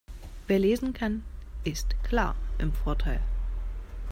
Wer lesen kann, ist klar im Vorteil.